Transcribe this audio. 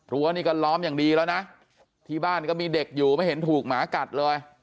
รั้วนี่ก็ล้อมอย่างดีแล้วนะที่บ้านก็มีเด็กอยู่ไม่เห็นถูกหมากัดเลย